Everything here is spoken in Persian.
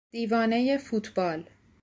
دیوانهی فوتبال